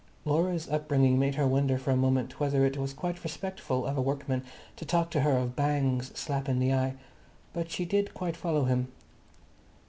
Laura's upbringing made her wonder for a moment whether it was quite respectful of a workman to talk to her of bangs slap in the eye. But she did quite follow him.